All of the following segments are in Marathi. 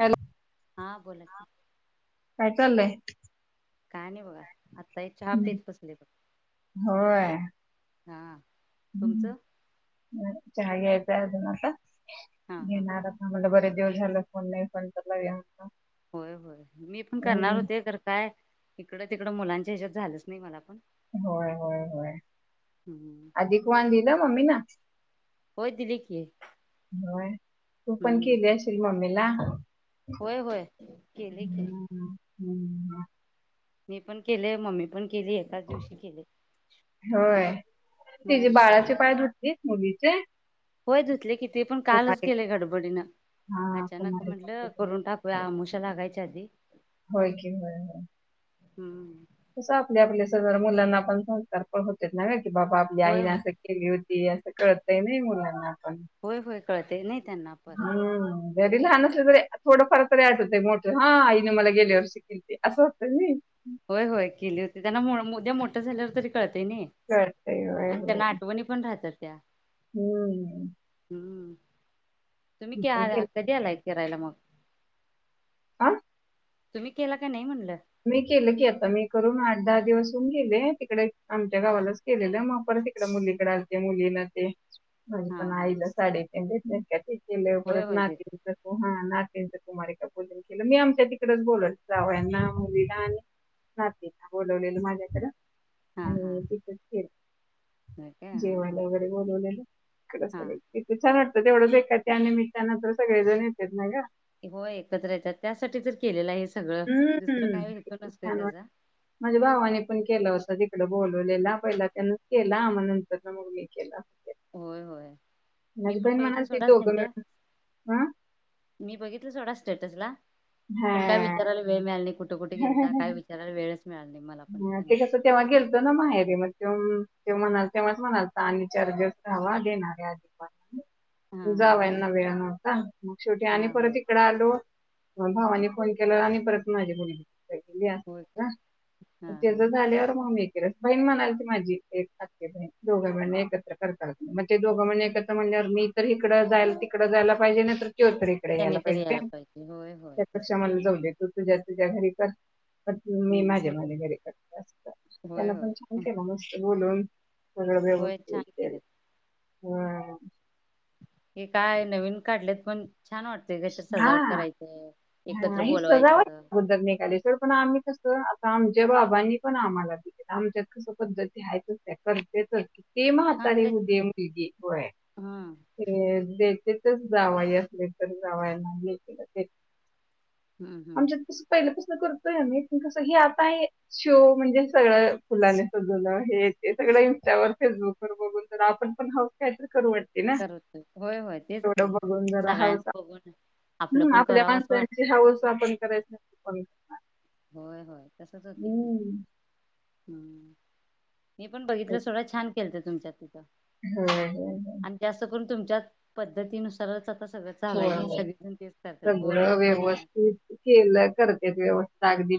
हॅलो हा बोला काय चाललंय काय नाही बगा आता हे चहा नाही. पीत बसले बघ हा ह् तुमचं चहा काय अजून आता हा हा येणाऱ्या महिन्या भऱ्यात जेवन झालं फोन नाही फोन तर लावूया होय होय मी पण करणार हम्म. होते तर काय हिकडं तिकडं मुलांच्या ह्याच्यात झालंच नाही मला पण होय होय होय हम्म अधिक वाण दिला मम्मी ना होय दिली की होय तू पण हम्म केली आशील मम्मीला होय होय केली की हम्म हम्म मी पण केले मम्मी पण केली एकाच दिवशी केले होय तची हम्म बाळाची पाय धुतली मुलीचे होय धुतले कि ते पण कालच कुमारी केले गडबडीनं हा अचानक कुमारी म्हटलं करून टाकूया अमोशा लागायच्या आधी होय की होय हम्म तसं आपल्या आपल्या सदर मुलांना आपण संस्कार पण होतेत ना की बाबा आपली होय आईला हो न असं केली होती की असं कळतय ना मुलांना पण होय होय कळतय नायत हम्म जरी लहान असलं तरी थोडं फार तरी आठ होतय मोठ हा आईने मला गेल्या वर्षी केलती होय होय केली होती त्यांना उद्या मोठ्या झाल्यावर तरी कळत आणि कळतंय होय होय त्यांना आठवणी पण राहतात [unintelligible] हम्म हम्म तुम्ही मी पण केलं कधी आलाय फिरायला मग आ तुम्ही केला काय नाही म्हणलं. मी केलं की आता मी करून आठ दहा दिवसन गेले तिकडे आमच्या गावालाच केलेलं मग परत तिकडे मुलीकडे असते मुली न ते म्हण हा पण हा आईला साडे ते दक ते केले होय परत होय ना ते तर कुमार का पण केलं मी आमच्या तिकडेच बोलत जावयाना आणि जे ना बोलवलेलं माझ्याकडें हा हा आणि तिथच ख होय काय जे हा हा मला वगैरे बोलवलेलं हा किती छान तेवढं ब का त्या नििमित्तानां सगळेजण येतेत ना ग हो एकत्र येतात त्यासाठी जर केलेला आहे सगळ दुसरं हम्म काय किती नसतंय छान वाटत त्याचा माझ्या भावाने पण केला होता बोलवलेला पहिला त्यान केला मग नंतर ना मग मी केला. होय होय मी माझी पण बहीण म्हणाल बघितलं ती सोडा दोघं त्यांच्या मिळून हं? मी बघितलं सोडा स्टेटस ला पण काय हा. विचारायला वेळ मिळाल नाही कुठे कुठे कुठे गेलता काय विचारलं वेळ नहीं ह ते कसं तेव्हा गेलतो ना माहेरी मग त ते म्हणाल तेव्हाच म्हणाल तर आणि चर्जस रवा देणारे अधिक हा हा जावयाना वेळ नव्हता [inaudible] मग शेवटी हा आणि होय परत इकड आलो. भावानी फोन केला आणि परत माझे मुल वहिनी मी असा होय का कसा? हा त्याच हा झाल्यावर म बहीण म्हणालती माझी एक, दोघ मिळून एकत्र करताल का? मग ते दोघं म्हण एकत्र म्हणजे मी तर इकडं जाय तिकड जायला पाहिजे नाही तर त्यो तर इकडे त्यांनी यायला तर पाहिजे, होय होय त्या पेक्षा तसच होय म्हणलं जाऊदे तू तुझ्यात तुझ्या घरी तर मी माझ्या माझ्या होय त्यांना होय पण छान केला मस्त बोलून सगळं होय छान व्यवस्थित केला. केलेत हम् हे काय नवीन काढलेत पण छान वाटतेय का तर हा सजावट करायचं. हा एकत्र ह बोलवायचं सजावट [inaudible] निगाली सड पण आम्ही कस? आता आमच्या बाबांनी पण आम्हाला दिलं आमच्या कस त्या पद्धती त्या करतच. ते हा म्हातारे ते होऊ दे, हा हम्म आहे ते जावई असले तर जावयाना ते हम्म आमच्यात तस पहिलं करतोय आम्ही पण कस हे आता शो म्हणजे सगळ फुलाने सजवलं हे सगळ इंस्टावर, फेसबुक व बघून तर आपण पण हाऊस करू वाटते ना करतो होय होय तेच तेवढं घ बघून जरा सगळ्यांच हाऊस बघून आपलं पण करावं असं वाटत हावस आपण करायच होय होय तसच होते की हम्म हम्म. मीण बघितलं सगळं छान केलत तुमच्या तिथं! हम् हम ह. तुमच्या पद्धतीनुसारच आता सगळं चालू हो आहे नाही सगळेजण तेच करतात सगळं बोरनान म्हणा व्यवस्थित केलं करते व्यवस्थित अगदी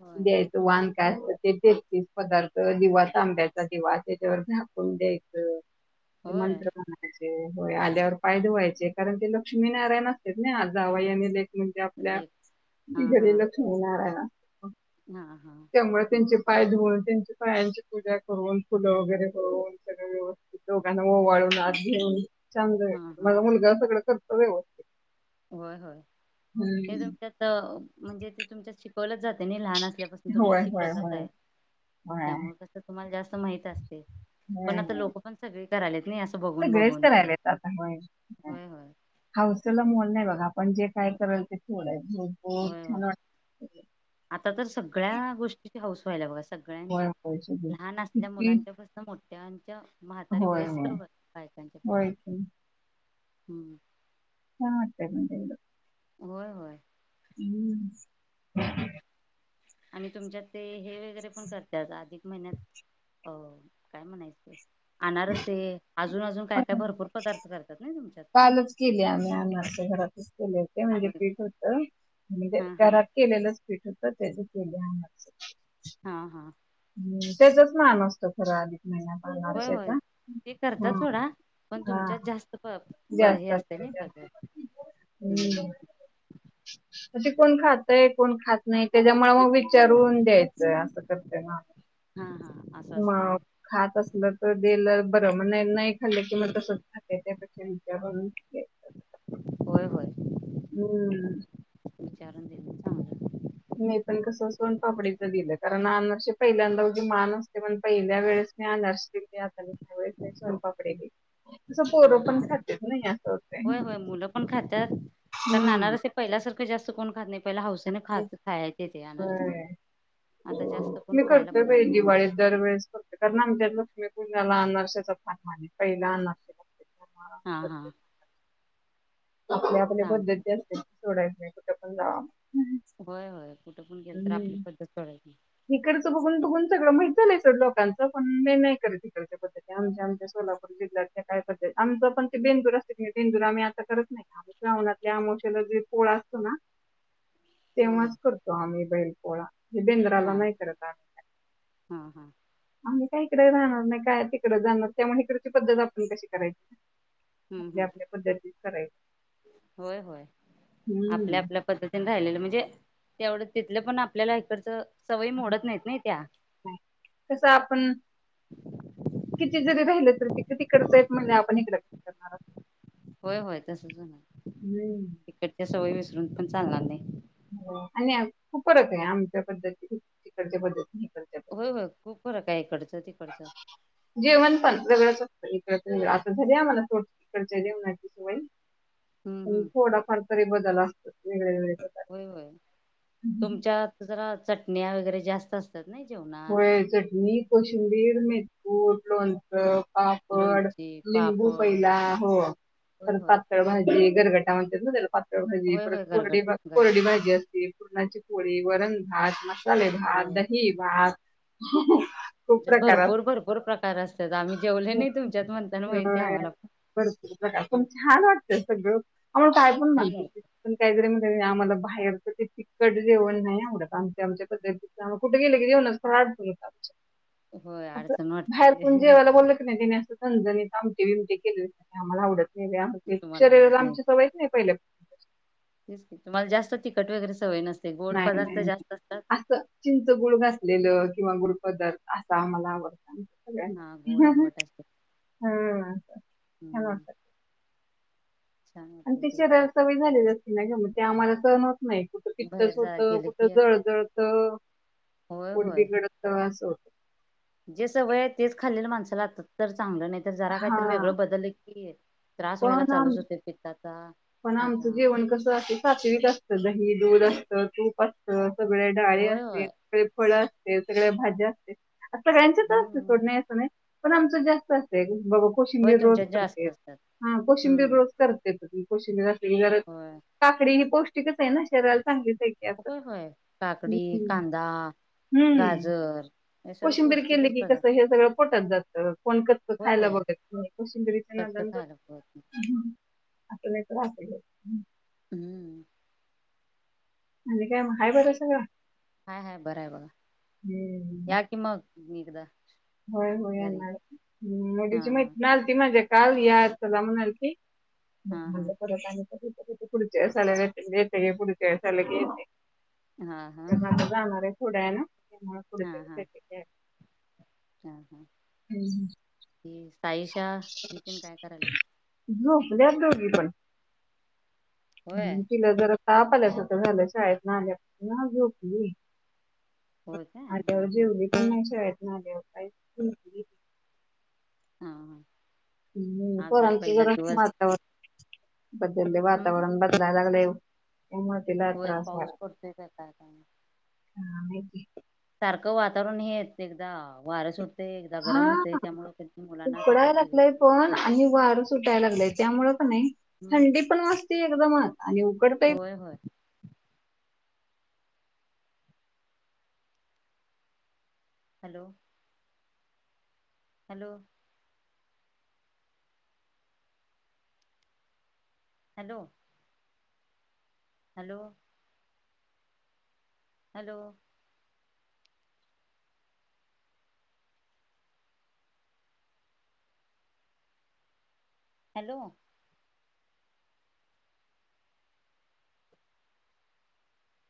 होय वान काय असत. ते तेच तीच पदार्थ दिवा, तांब्याचा दिवा त्याच्यावर झाकून द्यायचं. ते होय मंत्र म्हणायचं. होय आल्यावर पायधे व्हायचे कारण ते लक्ष्मीनारायण असते ना आ जावयाने म्हणजे आपल्या लेप हा ति हा घरी लक्ष येणार आहे ना हा हा पायधुऊन त्यांच्या पायांची पूजा करून फुलं वगैरे होन सगळं व्यवस्थित दोघांना ओवाळून हात घेऊन ांंद आहे हा हा मझ मुलगा स वाते होय होय हे तुमच्यात म्हणजे ते तुमत शिकवलंच जाते नाही लहान अस तुमच्या होय ती होय प्रता होय आहे होय त्यामुळे कस तुम्हाला जास्त माहित अस पण आता हम्म. लोक पण सगळे [unintelligible] सगळेच तर राहिलेत आता होय होय हौसेला मोल नाही बघ पण जे काय करल ते सोडाय होय होय छान वाटतं सगळं आता तर सगळ्या गोष्टीची हाऊस व्हायला बघा स होय सगळ्यांची होय सगळी लहान असल्या किती मुलांच्यापसनं मो त्यांच्या म्हातारी होय वयस्कर होय बायकांच्यात होय की हम्म [unintelligible] होय होय हम् आणि तुमच्यात ते हे तरी पण करत्यात अधिक महिन्यात अ काय म्हणायचं ते अनारसे अजुन अजुन काय काय पण भरपूर पदार्थ करतात नाय तुमच्यात कालच केले आम्ही अनारसे भर [unintelligible] ते म्हणजे होय. पीठ होतं म्हणजे हा हा घरात केलेलंच पीठ होतं तर तेज केलं हा हा त्याचाच मान असतो खरा आधिक होय होय ते करत्यात हा सोडा पण हा तुमच्यात जास्त प प हे जास्त असतय असते नाय जास्त. पदार्थ हम्म. हम् अशी कोण खातय कोण खात नाही त्याच्यामुळ मग विचारून द्यायचं ना हा हा असं असते मग खात असलं तर बिलं बर हम्मणाय नाय [unintelligible] [unintelligible] होय होय हम्म विचारून देऊन चांगलं मी पण कस सोनपापडीच दिलं कारण अनारसे पहिल्यांदा उगी मान असतय म्हणून पहिल्या वेळेस मी अनारसे दिली आताच्या वेळेस मी सोनपापडी दिली तसं हा पोरं हा पण खातेत नाही असं होतंय. होय होय मुलं पण खात्यात, कारण अनारसे पहिल्यासारखे जास्त कोण खात नाही. पहिला हौसेने खात खायचे ते अनारस व्हय आता जास्त कोण मी खायला करतोय बघत बाई नाही दिवाळीत दरवेेळेस करतोय, कारण आमच्यात लक्ष्मीपू- पुज्याला अनारशेचा पहिला मान आहे, पहिला अनारसे. त्यामुळं हा हा करते. आपल्या आपल्या सांगते पद्धती असतेत, सोडाय कुठं पण जावा म. होय होय कुठं पण हं गेल तर आपली हं पद्धत सोडायची इकडच बघून बघून सगळं माहित झालय सोड - कालच पण मी नाही करत इकडच्या पद्धती आमच्या आमच्या सोलापूर जिल्ह्यातल्या काय पद्धती आमचं पण ते बेंदूर असतोय कनी बेंदूर आम्ही- करत नाही आम्ही श्रावणातल्या आमोश्याला जे पोळ असतो ना- हा तेव्हाच हा करतो आम्ही बैल- पोळा ते बेंद्राला हा नाही करत आम्ही काय. हा हा आम्ही काही इकडे राहणार नाही काय तिकडे जाणार त्यामुळे इकडची पद्धत आपण कशी करायची. आपल्या आपल्या पद्धती- करायची. व्हय व्हय आपल्या हम्म. आपल्या पद्धतीने राहिलेलं म्हणजे- तेवढं तिथलं पण आपल्याला इकडचं- सवयी मोडत नाहीत नाही त्या कस आपण किती जरी राहिलं तरी ते काय तिकडच येत- म्हणजे आपण इकड करणार आहोत. होय होय तसच हुणार तिकडच्या सवयी विस- रुनपण चालणार नाही. आणि खूप फरक आहे. आमच्या पद्धतीत तिकडच्या पद्धतीत. होय होय खूप फरक आहे इकडचं तिकडचं. तरी इकडच तरी आता झालीय आम्हाला सोड इकडच्या जेवणाची सवय. हम्म हम्म थोडाफार तरी बदल असा- वेगळ वेगळ- व्हय व्हय तुमच्या हातच जरा- चटण्या वगैरे जास्त असता- व्हय चटणी कोशंबिर मी- कुट लोणंच. पापड, लोणची लिंबू पापड पहिला हो होय तर होय पातळ भाजी. गरगटा म्हणत्यात नव्ह तेला पात- तळ भाजी होय परत होय गरगट कोरडी, गरगट कोरडी भाजी असती. पुरणाची पोळी, वरण भात. चालेल आज होय दही भात. [inaudible] खूप तुमच्यात प्रकारात भरपूर भरपूर प्रकार असतात आम्ही जेवले नाही तुमच्यात म्हणताना माहिती आहे होय आम्हाला पण भरपूर प्रकार पण छान वाटत सगळं. हो काय पण छान म्हणतू आहे पण काहीजरी म्हण हम आम्हाला बाहेरच ते तिखट जेवण नाही आवडत. आमच्या आमच्या पद्धतीच कुठे गेले की जेवणाचं फार नियम आमचे. होय अस अडचण बाहेर वाटते कोण जेवायला बोलवलं की नाही तेन असं झणझणीत आमटी बीमटी केलेली आम्हाला आवडत नाय. केले ते आमचे. तुम्हाला शरीराला आवडत नाही आमची सवयच नाही पहिले पासून. तेच की तुम्हाला जास्त तिकट वगैरे सवय नस नाही नाही नाही असं चिंच गुळ घासलेलं किंवा गोड पदार्थ अस आम्हाला आवडत. हम गोड हा आंबट असते हम्म हा. छान आणि होते ती ते शरीराला सवय झालेली असती ना ग मग. ते आम्हाला सहन होत नाही कुठं पित्तच बाहेर होत, जा गेले कुठं की जळजळतं, होय पोट होय बिघडत असं होत. जे सवय आहे तेच खाल्लेलं माणस [unintelligible] चांगलं नाही तर जरा काही तर हा वेगळं बदल की त्रास व्हायला पण आम चालूच होतोय पित्ताचा. दा पण आमचं जेवण कसं अस सात्विक असतं. दही दूध असतं, तूप असतं. सगळे डाळी होय होय असतेत, सगळे फळ असं वेगवेगळ्या भाज्या असतेत ते आता सगळ्यांच्यातच असतात हम्म सोड नाही असं नाही. पण आमचं जास्त असतात. [unintelligible] बघ होय कोशिंबीर रोज तुमच्यात जास्त करतेत, असतात हं कोशिंबीर हम्म रोज करतेत. [inaudible] होय काकडी ही पौष्ट पौष्टिकच आहे ना शरीरा होय, होय काकडी, हम्म. कांदा, गाजर हे सगळं कोशिंबिरी केली पौष्टिकच की पदार्थ कसं हे सगळं पोटात जात. कोण कस होय खायला होय बघत नाही. कोशिंबरीच्या कच्च नादान जा खायला पाहिजे. [unintelligible] हम्म. आणि काय मग हाय बरं सगळं? हाय, हाय बर आहे बघा. हम्म. या कि मग आणि एकदा. होय, होय घरी येणार. हा [unintelligible] माझ्या काल या चला म्हणालती. मग हा हा म्हंटल परत आणि तर पुढच्या वेळेस आले की येते, पुढच्या वेळेस आले की येते. हा हा हा त्यांना आता जाणार आहेत. थोड्या वेळानं त्यामुळं हा हा [unintelligible] हा, हा. हम्म. तेच सााईशा हे तेन काय करायल्यात? झोपल्यात दोघी पण. होय तिला जरा ताप आल्यासारखं झालंय शाळेतनं आल्यापासनं झोपली. होय काय आल्यावर हा हा जेवली पण नाही शाळेत झाल्यावर [unintelligible] हा, हा. हूं आज पोरांची पहिला जरा दिवस वातावर बदललय हम् वातावरण बदलायला लागले. होय पाऊस पडतोय का काय काय माहित. हा नाहीे की. सारखं वातावरण हे येत एकदा वारं सुट हा उकडायला तब्येत लागलाय बिघडते पण, आणि वारं सुटायला लागलाय. त्यामुळ पण नाही हम्म थंडी पण वाजती एकदमच आणि उकडतेय. होय होय hello. Hello. Hello. Hello. Hello. Hello.